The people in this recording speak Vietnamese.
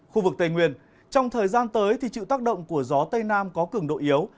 khu vực tây nguyên trong thời gian tới thì chịu tác động của gió tây nam có cường độ yếu